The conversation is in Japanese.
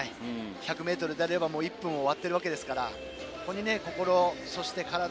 １００ｍであれば１分を割っているわけでこれに心、そして体。